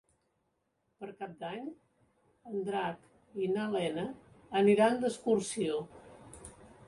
Per Cap d'Any en Drac i na Lena aniran d'excursió.